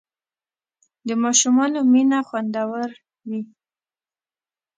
د ماشومانو مینه خوندور وي.